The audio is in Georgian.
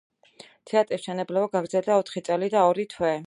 თეატრის მშენებლობა გაგრძელდა ოთხი წელი და ორი თვე.